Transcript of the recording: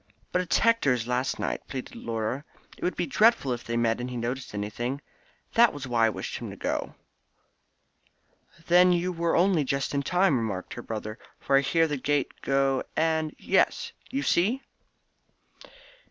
"But it's Hector's last night," pleaded Laura. "It would be dreadful if they met and he noticed anything. That was why I wished him to go." "Then you were only just in time," remarked her brother, "for I hear the gate go, and yes, you see."